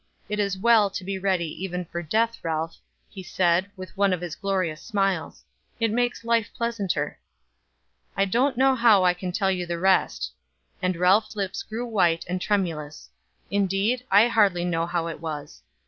It is well to be ready even for death, Ralph,' he said, with one of his glorious smiles; 'it makes life pleasanter.' I don't know how I can tell you the rest." And Ralph's lips grew white and tremulous. "Indeed, I hardly know how it was.